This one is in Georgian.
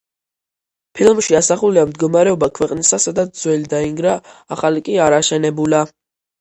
ფილმში ასახულია მდგომარეობა ქვეყნისა, სადაც ძველი დაინგრა, ახალი კი არ აშენებულა.